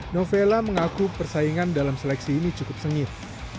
novella mengaku persaingan dalam seleksi ini cukup sengit